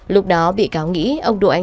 lúc đó bị cáo nghĩ ông đỗ anh dũng